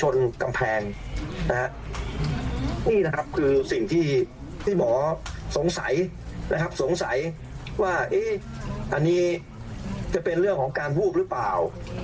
นี่คือสิ่งที่หมอสงสัยสงสัยว่าอันนี้จะเป็นเรื่องของการวูบหรือเปล่า